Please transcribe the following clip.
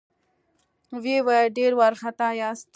ويې ويل: ډېر وارخطا ياست؟